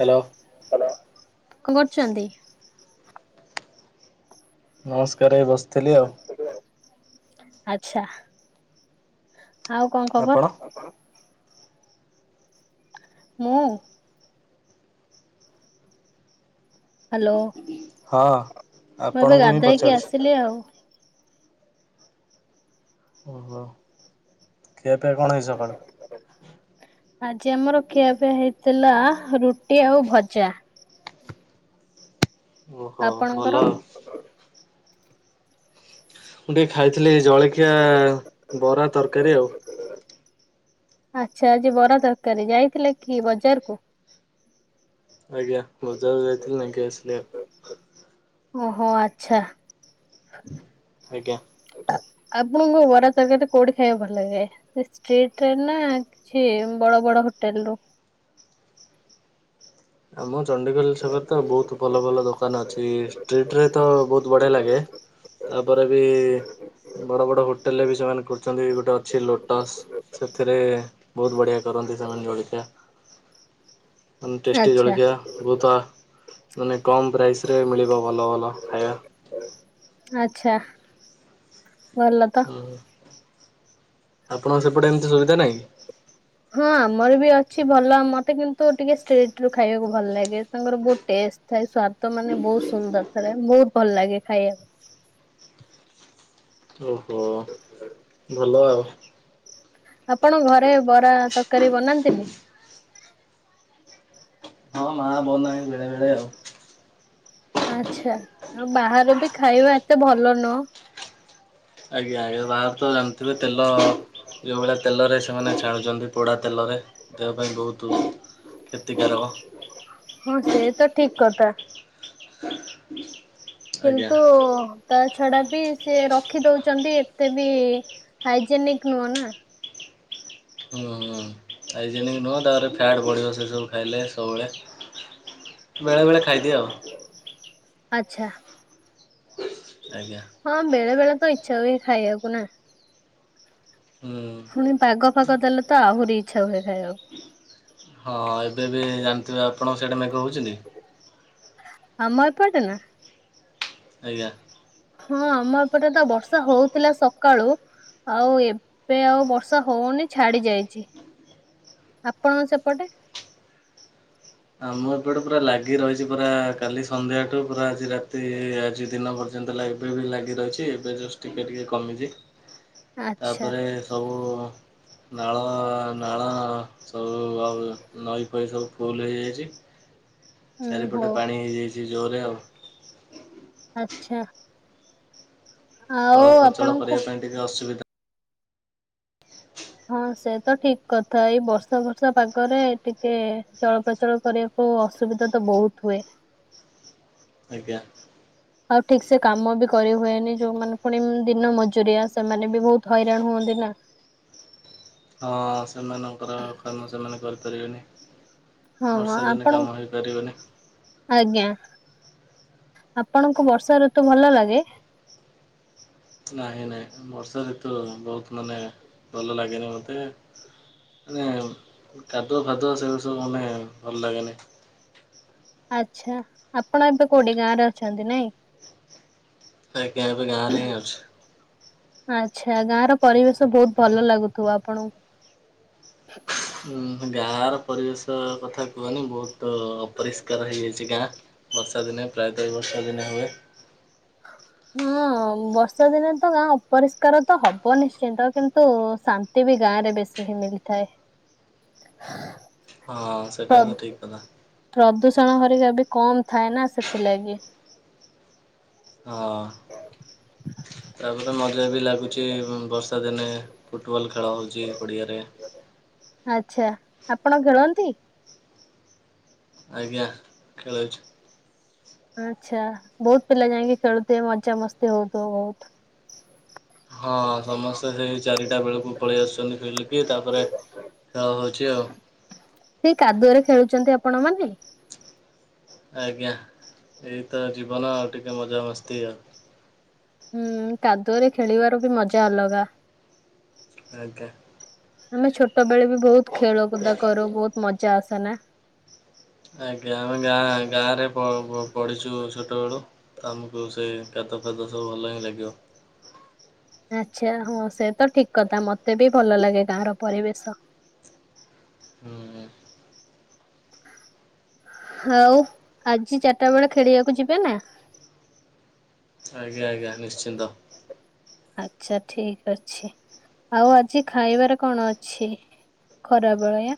Hello କଣ କରୁଛନ୍ତି? ନମସ୍କାର ବସ୍। ଆଚ୍ଛା। ଆଉ କଣ ଆପଣ? ଖବର? ମୁଁ। ହ୍ୟାଲୋ ହଁ ମୁଁ ଏବେ ଆପଣଙ୍କୁ ହିଁ ଗାଧେ ଇକି ପଚାରୁଛି ଆସିଲି ଆଉ। ଓହୋ ଖିଆ ପିଆକଣ ହେଇ ସକାଳୁ? ଆଜି ଆମର ଖିଆପିଆ ହେଇଥିଲା ରୁଟି ଆଉ ଭଜା। ଓହୋ ଆପଣଙ୍କର? ଭଲଆଉ। ମୁଁ ଟିକେ ଖାଇଥିଲି ଜଳଖିଆ ବରା ତରକାରୀ ଆଉ। ଆଚ୍ଛା ଆଜି ବରା ତରକାରି ଯାଇଥିଲେ କି ବଜାର କୁ? ଆଜ୍ଞା ବଜାର କୁ ଯାଇଥିଲିନେଇକି ଆସିଲେ ଆଉ। ଓହୋ ଆଚ୍ଛା। ଆଜ୍ଞା। ଆପଣଙ୍କ ବରା ତରକାରତି କୋଉଠି ଖାଇବାକୁ ଭଲ ଲାଗେ ଷ୍ଟିଟ୍‌ରେ ନା ଅଛି ବଡ ବଡ ହୋଟେଲ ରୁ ଆମ ଚଣ୍ଡୀଖୋଲ ଛକରେ ତ ବହୁତ ଭଲ ଭଲ ଦୋକାନ ଅଛି ଷ୍ଟ୍ରିଟ ରେ ତ ବହୁତ ବଢ଼ିଆ ଲାଗେ। ତାପରେ ବି ବଡ଼ ବଡ଼ ହୋଟେଲ୍ ରେ ବି ସେମାନେ କରୁଛନ୍ତି ଗୋଟେ ଅଛି ଲୋଟସ୍। ସେଥିରେ ବହୁତ ବଢ଼ିଆ କରନ୍ତି ସେମାନେ ଜଳିଖିଆ। ଟେଷ୍ଟି ଆଚ୍ଛା ଜଳଖିଆ ବହୁତ ମାନେ କମ୍ ପ୍ରାଇସ୍ ମିଳିବ ଭଲ ଭଲ ଖାଇବା। ଆଛା ଭଲ ତ। ହଁ ଆପଣଙ୍କ ସେପଟେ ଏମିତି ସୁବିଧା ନାହିଁ। ହଁ ଆମର ବି ଅଛି ଭଲ ମତେ କିନ୍ତୁ ଟିକେ ଷ୍ଟେଟ ରୁ ଖାଇବାକୁ ଭଲ ଲାଗେ। ତାଙ୍କର ଟେଷ୍ଟ ଥାଏ ସ୍ଵାଦ ମାନେ ବହୁତ ସୁନ୍ଦର ଥାଏ ବହୁତ ଭଲ ଲାଗେ ଖାଇବାକୁ। ଓହୋ। [inaudible] ଭଲ ଆଉ। ଆପଣ ଘରେ ବରା, ତରକାରୀ ବନାନ୍ତିନି? ହଁ ମା ବନାଏ ବେଳେବେଳେ ଆଉ। ଆଛା ଆଉ ବାହାର ବି ଖାଇବା ଏତେ ଭଲ ନୁହଁ। ଆଜ୍ଞା ଆଜ୍ଞା ବାହାରୁ ତ ଜାଣିଥିବେ ତେଲ ଯୋଉ ଭଳିଆ ତେଲରେ ସେମାନେ ଛାଣୁଛନ୍ତି ପୋଡ଼ା ତେଲରେ ଦେହ ପାଇଁ ବହୁତ କ୍ଷତିକାରକ। ହଁ ସେ ତ ଠିକ୍ କଥା। ଆଜ୍ଞା କିନ୍ତୁ ତା ଛଡା ବି ସେ ରଖି ଦଉଛନ୍ତି ଏତେ ବି ହାଇଜେନିକ ନୁହଁ ନା। ହୁଁ ହୁଁ ହାଇଜେନିକ୍ ନୁହେଁ ତାପରେ ଫ୍ୟାଟ୍ ବଢ଼ିବ ସେ ସବୁ ଖାଇଲେ ସବୁବେଳେ। ବେଳେ ବେଳେ ଖାଇଦିଏ ଆଉ। ଆଚ୍ଛା। ଆଜ୍ଞା। ହଁ ବେଳେ ବେଳେ ତ ଇଚ୍ଛା ହୁଏ ଖାଇବାକୁ ନା। ହୁଁ ପୁଣି ପାଗ ଫାଗ ଦେଲେ ତ ଆହୁରି ଇଚ୍ଛା ହୁଏ ଖାଇବାକୁ। ହଁ ଏବେ ବି ଜାଣିଥିବେ ଆପଣଙ୍କ ସେଇଟା ମେଘ ହଉଛନ୍ତି କି? ଆମ ଏପଟେ ନା। ଆଜ୍ଞା। ହଁ ଆମ ଏପଟେ ତ ବର୍ଷା ହଉଥିଲା ସକାଳୁ। ଆଉ ଏବେ ଆଉ ବର୍ଷା ହୋଉନି ଛାଡି ଯାଇଛି। ଆପଣଙ୍କ ସେପଟେ? ଆମ ଏପଟେ ପୁରା ଲାଗି ରହିଛି ପୁରା କାଲି ସନ୍ଧ୍ୟାଠୁ ପୁରା ଆଜି ରାତି ଆଜି ଦିନ [unintelligible] ଏବେ ବି ଲାଗି ରହିଛି ଏବେ ଟିକେ ଟିକେ କମିଛି। ଆଚ୍ଛା ତାପରେ ସବୁ ନାଳ ନାଳ ସବୁ ଆଉ ନଈ ଫଇ ସବୁ ଫୁଲ ହେଇଯାଇଛି। ଉଁ ଚାରିପଟେ ହଉ ପାଣି ହେଇଯାଇଛି ଜୋରରେ ଆଉ। ଆଚ୍ଛା। ଆଉ ଚଳପ୍ରଚଳ ଆପଣଙ୍କୁ କରିବା ପାଇଁ ଟିକେ ଅସୁବିଧା ହଁ ସେ ତ ଠିକ୍ କଥା ଏଇ ବର୍ଷା ବର୍ଷା ପାଗରେ ଟିକେ ଚଳପ୍ରଚଳ କରିବା ଓ ଅସୁବିଧା ତ ବହୁତ ହୁଏ। ଆଜ୍ଞା। ଆଉ ଠିକ ସେ କାମ ବି କରି ହୁଏନି ଯୋଉମାନେ ପୁଣି ଦିନ ମଜୁରିଆ ସେମାନେ ବି ବହୁତ ହଇରାଣ ହୁଅନ୍ତି ନା। ହଁ ସେମାନଙ୍କର କାମ ସେମାନେ କରିପାରିବେନି। ହଁ ହଁ ବର୍ଷା ଦିନେ ଆପଣ କାମ ହେଇପାରିବନି। ଆଜ୍ଞା ଆପଣଙ୍କୁ ବର୍ଷା ଋତୁ ଭଲ ଲାଗେ? ନାହିଁ ନାହିଁ ବର୍ଷା ଋତୁ ବହୁତ ମାନେ ଭଲ ଲାଗେନି ମୋତେ ମାନେ କାଦୁଆ ଫାଦୁଅ ସେଗୁଡା ସବୁ ମାନେ ଭଲ ଲାଗେନି। ଆଚ୍ଛା ଆପଣ ଏବେ କୋଉଠି ଗାଁରେ ଅଛନ୍ତି ନାଇଁ। ଆଜ୍ଞା ଏବେ ଗାଁରେ ହିଁ ଅଛି। ଆଚ୍ଛା ଗାଁ ର ପରିବେଶ ବହୁତ ଭଲ ଲାଗୁଥିବ ଆପଣଙ୍କୁ। ଗାଁର ପରିବେଶ କଥା କୁହନି ବହୁତ ଅପରିଷ୍କାର ହେଇଯାଇଛି ଗାଁ ବର୍ଷା ଦିନେ ପ୍ରାୟତଃ ବର୍ଷା ଦିନେ ହୁଏ। ହଁ ବର୍ଷା ଦିନେ ତ ଗାଁ ଅପରିଷ୍କାର ତ ହବ ନିଶ୍ଚିନ୍ତ କିନ୍ତୁ ଶା [inaudible] [inaudible] ଗାଁରେ ବେଶୀ ହିଁ ମିଳିଥାଏ। ହଁ ପ୍ର ସେଟା ତ ଠିକ କଥା। ପ୍ରଦୂଷଣ ହରିକା ବି କମ ଥାଏ ନା ସେଥିଲାଗି। ହଁ ତାପରେ ମଜା ବି ଲାଗୁଛି ବର୍ଷା ଦିନେ ଫୁଟବଲ୍ ଖେଳ ହେଉଛି ପଡ଼ିଆରେ। ଆଚ୍ଛା ଆପଣ ଖେଳନ୍ତି? ଆଜ୍ଞା ଖେଳେ। ଆଚ୍ଛା ବହୁତ ପିଲା ଯାଇକି ଖେଳୁଥିବେ ମଜା ମସ୍ତି ହଉଥିବ ବହୁତ। ହଁ ସମସ୍ତେ ସେଇ ଚାରିଟା ବେଳକୁ ପଳେଇ ଆସୁଛନ୍ତି ଖେଳିକି ତାପରେ। ଖେଳ ହଉଛି ଆଉ। ସେଇ କାଦୁଅରେ ଖେଳୁଛନ୍ତି ଆପଣମାନେ। ଆଜ୍ଞା ଏଇତ ଜୀବନ ଆଉ ଟିକେ ମଜା ମସ୍ତି ଆଉ। ହୁଁ କାଦୁଅରେ ଖେଳିବାର ବି ମଜା ଅଲଗା। ଆଜ୍ଞା। ଆମେ ଛୋଟ ବେଳେ ବି ବହୁତ ଖେଳକୁଦା କରୁ ବହୁତ ମଜା ଆସେ ନା। ଆଜ୍ଞା ଆମେ ଗାଁ ଗାଁ ରେ ପଢିଛୁ ଛୋଟ ବେଳୁ। ଆମକୁ ସେ କାଦୁଅ ଫାଦୁଅ ସବୁ ଭଲ ହିଁ ଲାଗିବ। ଆଚ୍ଛା ହଁ ସେ ତ ଠିକ କଥା ମତେ ବି ଭଲ ଲାଗେ ଗାଁର ପରିବେଶ। ହୁଁ। ଆଉ ଆଜି ଚାରିଟା ବେଳେ ଖେଳିବାକୁ ଯିବେ ନା। ଆଜ୍ଞା ଆଜ୍ଞା ନିଶ୍ଚିନ୍ତ। ଆଛା ଠିକ ଅଛି ଆଉ ଆଜି ଖାଇବାରେ କଣ ଅଛି। ଖରାବେଳେ।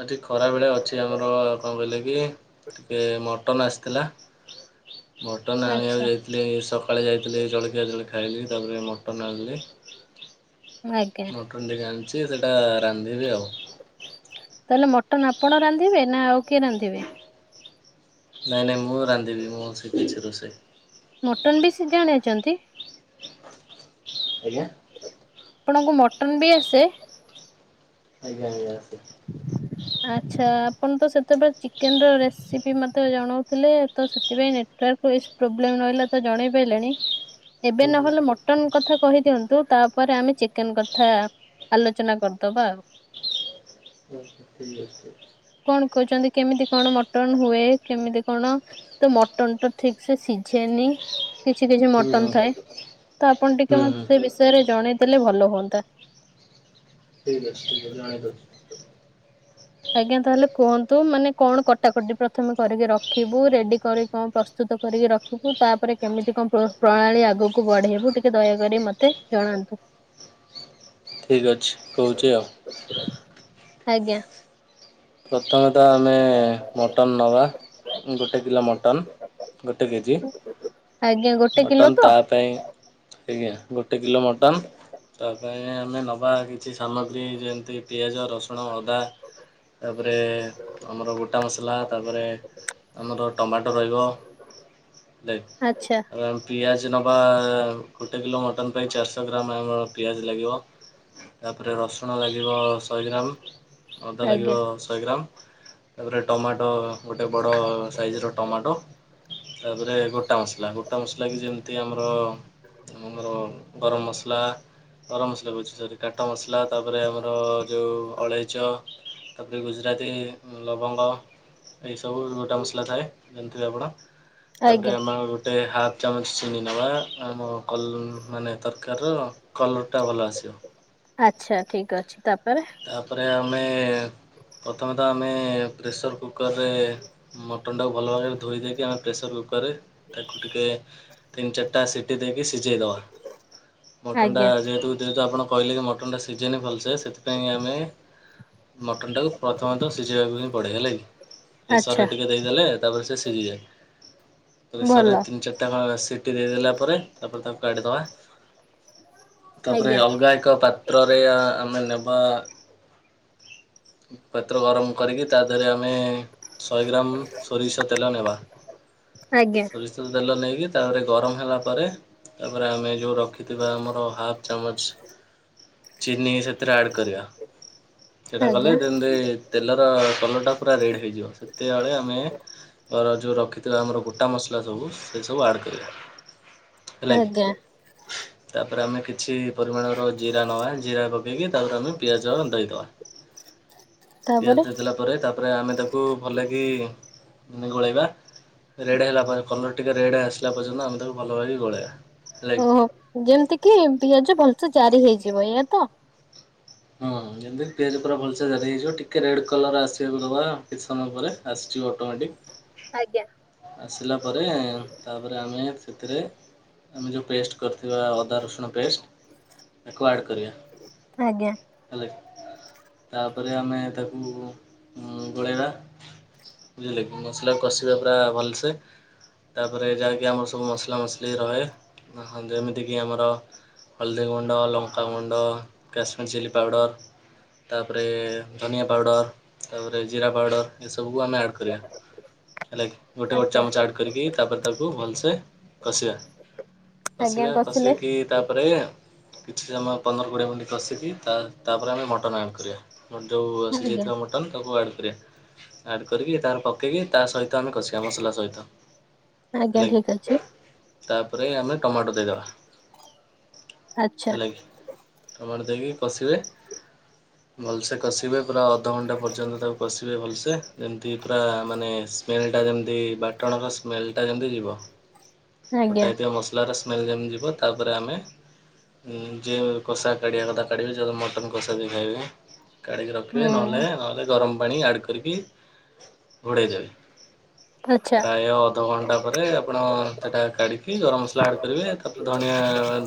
ଆଜି ଖରାବେଳେ ଅଛି ଆମର କଣ କହିଲେ କି। ଟିକେ ମଟନ ଆସିଥିଲା ମଟନ ଆଚ୍ଛା ଆଣିବାକୁ ଯାଇ। ଯୋଉ ସକାଳେ ଯାଇଥିଲେ ଜଳଖିଆ ଖାଇଲି ତାପରେ ମଟନ୍ ଆଣଥିଲେ। ଆଜ୍ଞା। ମଟନ୍ ଟିକେ ଆଣିଛି ସେଇଟା ରାନ୍ଧିବି ଆଉ। ତାହେଲେ ମଟନ ଆପଣ ରାନ୍ଧିବେ ନା ଆଉ କିଏ ରାନ୍ଧିବେ। ନାଇଁ ନାଇଁ ମୁଁ ରାନ୍ଧିବି ମୁଁ ଶିଖିଛି ରୋଷେଇ। ମଟନ ବି ସେ ଜାଣିଛନ୍ତି। ଆଜ୍ଞା। ଆପଣଙ୍କୁ ମଟନ ବି ଆସେ। ଆଜ୍ଞା ଆଜ୍ଞା ଆସୁନ। ଆଚ୍ଛା ଆପଣ ତ ସେତେବେଳେ ଚିକେନର ରେସିପି ମତେ ଜଣଉଥିଲେ ତ ସେଥିପାଇଁ ନେଟ୍ ନେଟୱର୍କ ପ୍ରୋବ୍ଲେମ ରହିଲା ତ ଜଣେଇ ପାରିଲେଣି। ହ ଏବେ ନହେଲେ ମ ମଟନ କଥା କହିଦିଅନ୍ତୁ, ତାପରେ ଆମେ ଚିକେନ କଥା ଆଲୋଚନା କରିଦେବା ଆଉ ପ୍ଲସ ଥ୍ରି ବ କଣ କହୁଛନ୍ତି। କେମିତି କଣ ମଟନ ହୁଏ। କେମିତି କଣ। ତ ମଟନ ଟା ଠିକ ସେ ସିଝେନି କିଛି କିଛି ହୁଁ ହୁଁ ମଟନ ଥାଏ। ତ ଆପଣ ଟିକେ ହୁଁ ମତେ ହୁଁ। ସେ ବିଷୟରେ ଜଣେଇଦେଲେ ଭଲ ହୁଅନ୍ତା। ଠିକ୍ ଅଛି। ଆଜ୍ଞା ଆଣି ଦଉଛି। ଆଜ୍ଞା ତାହେଲେ କୁହନ୍ତୁ, ମାନେ କଣ କଟାକଟି ପ୍ରଥମେ କରିକି ରଖିବୁ ରେଡି କରି କଣ ପ୍ରସ୍ତୁତ କରିକି ରଖିବୁ, ତାପରେ କେମିତି କଣ ପ୍ରଣାଳୀ ଆଗକୁ ବଢ଼େଇବୁ ଟିକେ ଦୟାକରି ମୋତେ ଜଣାନ୍ତୁ ଠିକ ଅଛି, କହୁଛି ଆଉ। ଆଜ୍ଞା ପ୍ରଥମେ ତ ଆମେ ମଟନ୍ ନେବା ଗୋଟେ କିଲୋ ମଟନ୍ ଗୋଟେ କେଜି, ଆଜ୍ଞା ଗୋଟେ କିଲୋ ମଟନ୍ ତ ତା ପାଇଁ ଆଜ୍ଞା ଗୋଟେ କିଲୋ ମଟନ ତା ପାଇଁ ଆମେ ନେବା କିଛି ସାମଗ୍ରୀ ଯେମିତି ପିଆଜ, ରସୁଣ, ଅଦା। ତାପରେ ଆମର ଗୋଟା ମସଲା, ତାପରେ ଆମର ଟମାଟୋ ରହିବ। ଆଚ୍ଛା ଆ ପିଆଜ ନେବା ଗୋଟେ କିଲୋ ମଟନ୍ ପାଇଁ ଚାରିଶହ ଗ୍ରାମ ଆମର ପିଆଜ ଲାଗିବ। ତାପରେ ରସୁଣ ଲାଗିବ ଶହେ ଗ୍ରାମ। ଲାଗିବ ଆଜ୍ଞା ଶହେ ଗ୍ରାମ ତାପରେ ଟମାଟୋ ଗୋଟେ ବଡ଼ ସାଇଜ ର ଟମାଟୋ। ତାପରେ ଗୋଟା ମସଲା, ଗୋଟା ମସଲା କି ଯେମିତି ଆମର ଆମର ଗରମ ମସଲା ଗରମ ମସଲା କରୁଛି ସରି। କାଟ ମସଲା ତାପରେ ଆମର ଯେଉଁ ଅଳେଇଚ ତାପରେ ଗୁଜୁରାତି ଲବଙ୍ଗ। ଏଇ ସବୁ ଗୋଟା ମସଲା ଥାଏ। ଯେମିତି ଆପଣ ଆଜ୍ଞା। ତାପରେ ଆମ ଗୋଟେ ହାଫ ଚାମଚ ଚିନି ନେବା। ଆମ କଲ ମାନେ ତରକାରୀ ର କଲର୍ ଟା ଭଲ ଆସିବ। ଆଚ୍ଛା ଠିକ୍ ଅଛି ତାପରେ ତାପରେ ଆମେ ପ୍ରଥମେ ତ ଆମେ ପ୍ରେସର କୁକରରେ ମଟନଟାକୁ ଭଲ ଭାବରେ ଧୋଇ ଦେଇକି ଆମେ ପ୍ରେସର କୁକରରେ ତାକୁ ଟିକେ ତିନ ଚାରିଟା ସିଟିି ଦେଇକି ସିଝେଇ ଦେବା। ମଟନ୍ ଟା ଆଜ୍ଞା ଯେହେତୁ ଯେହେତୁ ଆପଣ କହିଲେ କି ମଟନ୍ ଟା ସିଝେନି ଭଲସେ, ସେଥିପାଇଁ ଆମେ ମଟନଟାକୁ ପ୍ରଥମତଃ ସିଝେଇବାକୁ ହିଁ ପଡ଼େ ହେଲା କି ପ୍ରେସରରେ ଆଚ୍ଛା ଟିକେ ଦେଇଦେଲେ। ତାପରେ ସେ ସିଝିଯାଏ। ଭଲ ପେସରରେ ତିନି ଚାରିଟା ସିଟି ଦେଇଦେଲା ପରେ ତାପରେ ତାକୁ କାଢ଼ିଦେବା। ତାପରେ ଆଜ୍ଞା ଅଲଗା ଏକ ପାତ୍ରରେ ଆମେ ନେଉ। ବା ପାତ୍ର ଗରମ କରିକି ତା ଦେହରେ ଆମେ ଶହେ ଗ୍ରାମ ସୋରିଷ ତେଲ ନେବା ଆଜ୍ଞା ତେଲ ନେଇକି ତାପରେ ଗରମ ହେଲା ପରେ ତାପରେ ଆମେ ଯୋଉ ରଖିଥିବା ଆମର ହାପ ଚାମଚ ଚିନି ସେଥିରେ ଆମେ କରିବା ସେଇଟା କଲେ ଆଜ୍ଞା ଯେମିତି ତେଲର କଲରଟା ପୁରା ରେଡ଼୍ ହେଇଯିବ ସେତେବେଳେ ଆମେ ଆର ଯେଉ ରଖିଥିଲା ଆମର ଗୋଟା ମସଲା ସବୁ ସେ ସବୁ ଆଡ଼୍ କରିବା। ହେଲା ଆଜ୍ଞା କି ତାପରେ ଆମେ କିଛି ପରିମାଣର ଜିରା ନବା ଜିରା ପକେଇକି ତାପରେ ପିଆଜ ଦେଇଦବା ତାପରେ ପିଆଜ ଦେଲା ତାପରେ ତାପରେ ଆମେ ତାକୁ ଭଲକି ଗୋଳେଇବା। ରେଡ଼୍ ହେଲା ପରେ କଲର୍ ଟିକେ ରେଡ଼୍ ଆସିଲା ପର୍ଯ୍ୟନ୍ତ ଆମେ ତାକୁ ଭଲ ଭାବେ ଗୋଳେଇବା। ଓହୋ ଯେମିତି କି ପିଆଜ ଭଲ ସେ ଜାରି ହେଇଯିବ ଏଇଆ ତ। ହଁ ଯେମିତି ପିଆଜ ପୁରା ଭଲସେ ଜାରି ହେଇଯିବ ଟିକେ ରେଡ୍ କଲର୍ ଆସିବାକୁ ଦବା କିଛି ସମୟ ପରେ ଆସିଯିବ ଅଟୋମେଟିକ। ଆଜ୍ଞା। ଆସିଲା ପରେ ତା ତାପରେ ଆମେ ସେଥିରେ ଆମେ ଯେଉଁ ପେଷ୍ଟ କରିଥିବା ଅଦା ରସୁଣ ପେଷ୍ଟ ଆଡ୍ କରିବା। ଆଜ୍ଞା ହେଲାକି ତାପରେ ଆମେ ତାକୁ ଗୋଳେଇବା। ବୁଝିଲେ କି ମସାଲା କସିବା ପୁରା ଭଲ ସେ। ତାପରେ ଯାହାକି ଆମର ସବୁ ମସଲା ମସଲି ରହେ ଯେମିତି କିି ଆମର ହଳଦୀ ଗୁଣ୍ଡ ଲଙ୍କାଗୁଣ୍ଡ କାଶ୍ମୀର ଚିଲ୍ଲି ପାଉଡ଼ର ତାପରେ ଧନିଆ ପାଉଡ଼ର ତାପରେ ଜିରା ପାଉଡ଼ର ଏସବୁକୁ ଆମେ ଆଡ଼୍ କରିବା। ହେଲାକି ଗୋଟେ ଗୋଟେ ଆଜ୍ଞା ଚାମଚ ଆଡ କରିକି ତାପରେ ତାକୁ ଭଲ ସେ କଷିବା। ଆଜ୍ଞା କଷିବା କଷିଲେ କଷିକି ତାପରେ କିଛି ସମୟ ପନ୍ଦର କୋଡ଼ିଏ ମିନିଟ୍ କଶିକି ତା ପରେ ଆମେ ମଟନ୍ ଆଡ କରିବା। ମୋର ଯୋଉ ଆସି ଆଜ୍ଞା ଯାଇଥିବା ମଟନ ତାକୁ ଆଡ଼୍ କରିବା ଆଡ଼୍ କରିକି ତାର ପକେଇକି ତା ସହିତ ଆମେ କସିବା। ମସଲା ସହିତ ଆଜ୍ଞା ହେଲାକି। ଠିକ ଅଛି ତାପରେ ଆମେ ଟମାଟୋ ଦେଇଦବା ଆଚ୍ଛା ହେଲା କିି। ଟମାଟ ଦେଇକି କସିବେ। ଭଲସେ କସିବେ ପୁରା ଅଧଘଣ୍ଟା ପର୍ଯ୍ୟନ୍ତ ତାକୁ କସିବେ ଭଲସେ ଯେମିତି ପୁରା ମାନେ ସ୍ମେଲ୍ ଯେମତି ବାଟଣ ବା ସ୍ମେଲ୍ ଟା ଯେମିତି ଯିବ, ଆଜ୍ଞା ବଟା ହେଇଥିବା ମସ ତାର ସ୍ମେଲ ଯେମିତି ଯିବ ତା ପରେ ଆମେ ହୁଁ ଯେ କଷା କାଢ଼ିବା କଥା କାଢ଼ିବେ ଯଦି ମଟନ୍ କଷା ଯିଏ ଖାଇବେ। କାଢ଼ିକି ରଖିବେ ହୁଁ ନହେଲେ ନହେଲେ ଗରମ ପାଣି ଆଡ଼୍ କରିକି ଘୋଡେଇ ଦେବେ। ଆଚ୍ଛା ପ୍ରାୟ ଅଧଘଣ୍ଟା ପରେ ଆପଣ ସେଟା କାଢିକି ଗରମ ମସଲା ଆଡ୍ କରିବେ, ତାପ ଧଣିଆ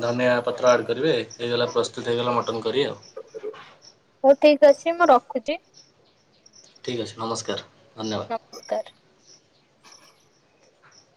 ଧନିଆ ପତ୍ର ଆଡ଼୍ କରିବେ ହେଇଗଲା ପ୍ରସ୍ତୁତ ହେଇଗଲା ମଟନ୍ କରି ଆଉ। ହଉ ଠିକ୍ ଅଛି ମୁଁ ରଖୁଛି। ଠିକ୍ ଅଛି ନମସ୍କାର, ଧନ୍ୟବାଦ। ନମସ୍କାର।